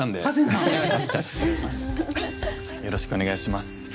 よろしくお願いします。